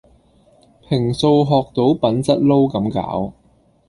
平素學到品質撈咁攪